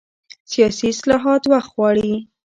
سیاسي اصلاحات وخت غواړي